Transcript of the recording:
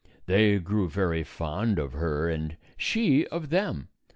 They grew very fond of her, and she of them.